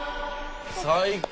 最高！